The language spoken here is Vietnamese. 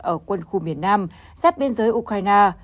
ở quân khu miền nam sắp biên giới ukraine